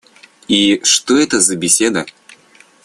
И что это за беседа?